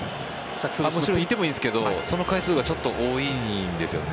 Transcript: いてもいいですけどその回数が多いんですよね。